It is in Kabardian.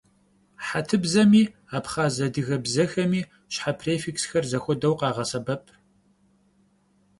Хьэтыбзэми абхъаз-адыгэ бзэхэми щхьэ префиксхэр зэхуэдэу къагъэсэбэп.